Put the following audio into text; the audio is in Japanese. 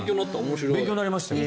勉強になりましたよね。